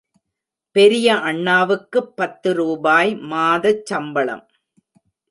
பெரிய அண்ணாவுக்குப் பத்து ரூபாய் மாதச் சம்பளம்.